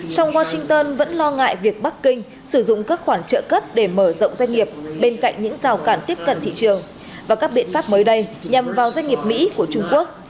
song washington vẫn lo ngại việc bắc kinh sử dụng các khoản trợ cấp để mở rộng doanh nghiệp bên cạnh những rào cản tiếp cận thị trường và các biện pháp mới đây nhằm vào doanh nghiệp mỹ của trung quốc